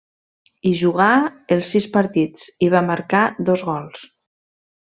Hi jugà els sis partits, i va marcar dos gols.